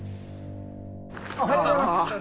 あおはようございます！